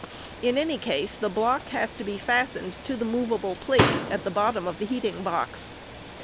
In any case, the block has to be fastened to the moveable plate at the bottom of the heating box.